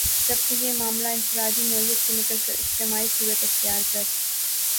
جبکہ یہ معاملہ انفرادی نوعیت سے نکل کر اجتماعی صورت اختیار کر